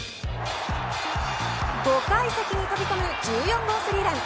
５階席に飛び込む１４号スリーラン。